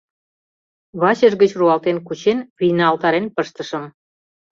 Вачыж гыч руалтен кучен, вийналтарен пыштышым.